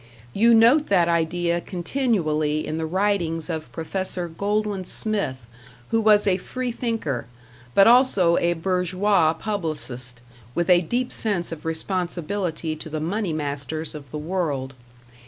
You note that idea continually in the writings of Professor Goldwin Smith, who was a free thinker, but also a #bourgeois# publicist, with a deep sense of responsibility to the money masters of the world.